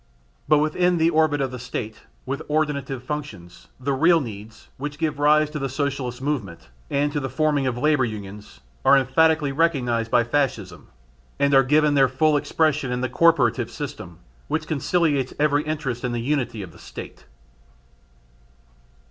But within the orbit of the State with ordinative functions, the real needs, which give rise to the Socialist movement and to the forming of labour unions, are emphatically recognised by Fascism and are given their full expression in the Corporative System, which conciliates every interest in the unity of the State.